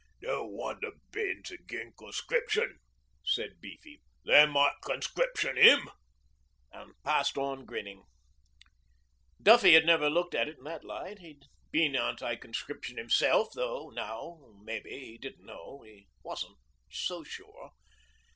'Don't wonder Ben's agin conscription,' said Beefy; 'they might conscription 'im,' and passed on grinning. Duffy had never looked at it in that light. He'd been anti conscription himself, though now mebbe he didn't know he wasn't so sure.